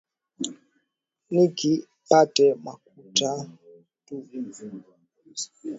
Niki pate makuta takuziya manguwo